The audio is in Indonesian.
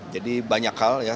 jadi banyak hal ya